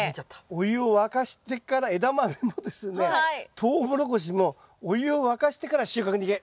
お湯を沸かしてからエダマメもですねトウモロコシもお湯を沸かしてから収穫に行け！